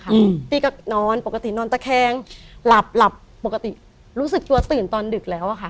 พี่ก็นอนปกตินอนตะแคงหลับหลับปกติรู้สึกตัวตื่นตอนดึกแล้วอะค่ะ